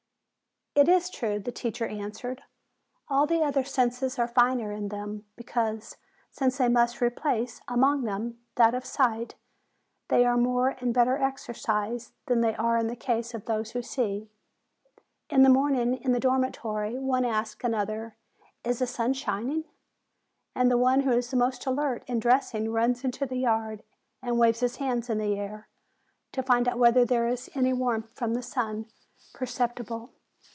"It is true," the teacher answered. "All the other senses are finer in them, because, since they must re place, among them, that of sight, they are more and better exercised than they are in the case of those who see. In the morning in the dormitory, one asks an other, 'Is the sun. shining?' and the one who is the most alert in dressing runs into the yard, and waves his hands in the air, to find out whether there is any warmth of the sun perceptible.